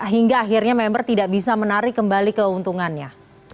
hingga akhirnya member tidak bisa menarik kembali keuntungannya